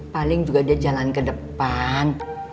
paling juga dia jalan ke depan